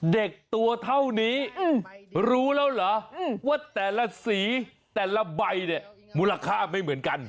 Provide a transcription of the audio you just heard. เด็กตัวเท่านี้รู้แล้วเหรอว่าแต่ละสีแต่ละใบเนี่ยมูลค่าไม่เหมือนกัน